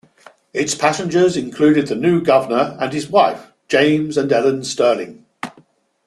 Its passengers included the new Governor and his wife, James and Ellen Stirling.